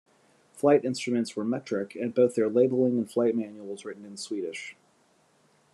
Flight instruments were metric, and both their labeling and flight manuals written in Swedish.